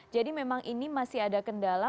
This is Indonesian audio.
memang ini masih ada kendala